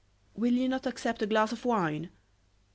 "Will you not accept a glass of wine?"